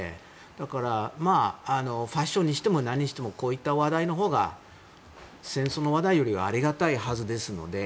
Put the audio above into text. だから、ファッションにしても何にしてもこういった話題のほうが戦争の話題よりはありがたいはずですので。